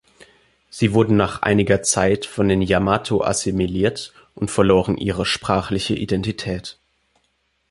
Sie wurden nach einiger Zeit von den Yamato assimiliert und verloren ihre sprachliche Identität.